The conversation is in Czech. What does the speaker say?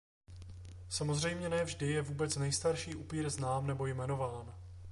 Samozřejmě ne vždy je vůbec nejstarší upír znám nebo jmenován.